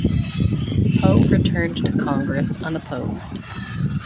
Poe returned to Congress unopposed.